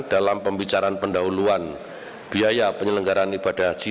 dalam pembicaraan pendahuluan biaya penyelenggaran ibadah haji